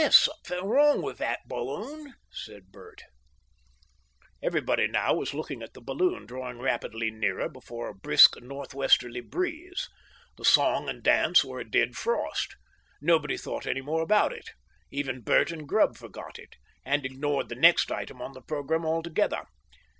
"There's something wrong with that balloon," said Bert. Everybody now was looking at the balloon, drawing rapidly nearer before a brisk north westerly breeze. The song and dance were a "dead frost." Nobody thought any more about it. Even Bert and Grubb forgot it, and ignored the next item on the programme altogether.